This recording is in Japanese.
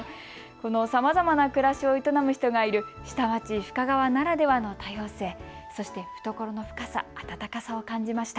さまざまな暮らしを営む人がいる下町、深川ならではの多様性、そして懐の深さ、温かさを感じました。